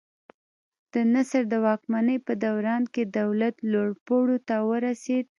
د نصر د واکمنۍ په دوران کې دولت لوړو پوړیو ته ورسېد.